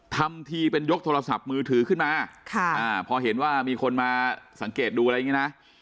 ทำทีเป็นยกโทรศัพท์มือถือขึ้นมาพอเห็นว่ามีคนมาสังเกตดูอะไรอย่างนี้นะ